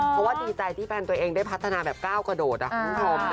เพราะว่าดีใจที่แฟนตัวเองได้พัฒนาแบบก้าวกระโดดคุณผู้ชม